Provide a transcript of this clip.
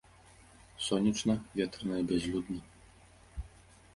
Сонечна, ветрана і бязлюдна.